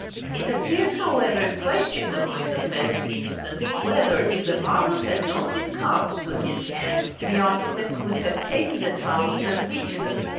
It appears however questionable in the present instance, whether, if the marbles had not been carved to his hand, the architect would have taken the trouble to enrich them.